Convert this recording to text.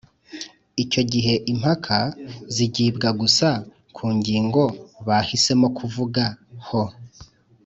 Icyo gihe impaka zigibwa gusa ku ngingo bahisemo kuvuga ho